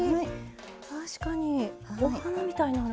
確かにお花みたいになる。